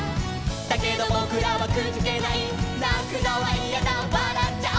「だけどぼくらはくじけない」「なくのはいやだわらっちゃお」